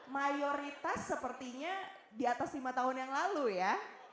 mayoritas sepertinya di atas lima tahun yang lalu ya